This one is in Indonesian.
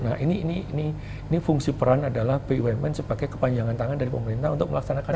nah ini fungsi peran adalah bumn sebagai kepanjangan tangan dari pemerintah untuk melaksanakan ini